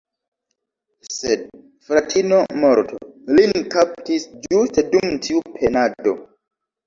Sed "fratino morto" lin kaptis ĝuste dum tiu penado.